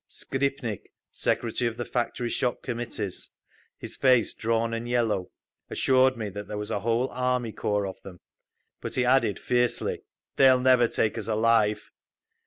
Skripnik, Secretary of the Factory Shop Committees, his face drawn and yellow, assured me that there was a whole army corps of them, but he added, fiercely, "They'll never take us alive!"